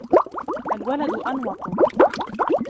الْوَلَدُ أَنْوَطُ